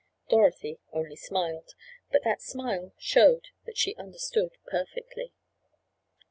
Dorothy only smiled, but that smile showed that she understood perfectly.